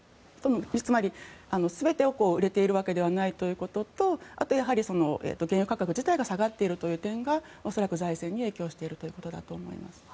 全てを売れているわけではないということとあとは原油価格自体が下がっているという点が恐らく財政に影響しているということだと思います。